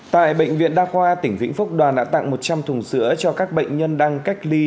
tại bệnh viện đa khoa tỉnh vĩnh phúc đoàn đã tặng một trăm linh thùng sữa cho các bệnh nhân đang cách ly